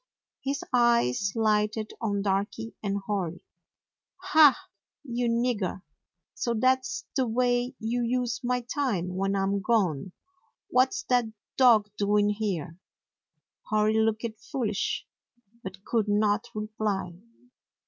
His eyes lighted on Darky and Hori. "Ha, you nigger! So that's the way you use my time when I 'm gone! What 's that dog doing here?" Hori looked foolish, but could not reply.